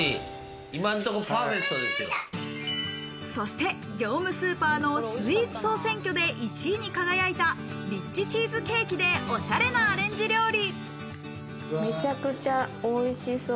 そして業務スーパーのスイーツ総選挙で１位に輝いたリッチチーズケーキでおしゃれなアレンジ料理。